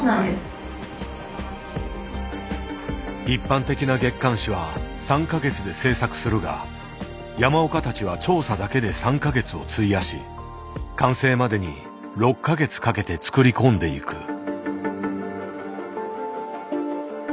一般的な月刊誌は３か月で制作するが山岡たちは調査だけで３か月を費やし完成までに６か月かけて作り込んでいく。